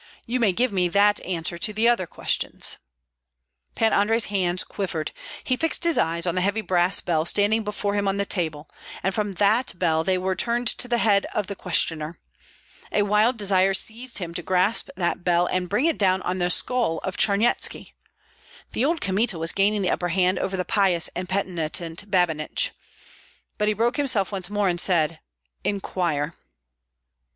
"You may give me that answer to other questions." Pan Andrei's hands quivered, he fixed his eyes on the heavy brass bell standing before him on the table, and from that bell they were turned to the head of the questioner. A wild desire seized him to grasp that bell and bring it down on the skull of Charnyetski. The old Kmita was gaining the upper hand over the pious and penitent Babinich; but he broke himself once more and said, "Inquire."